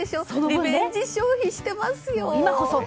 リベンジ消費してますよ。